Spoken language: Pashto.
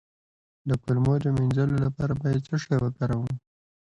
د کولمو د مینځلو لپاره باید څه شی وکاروم؟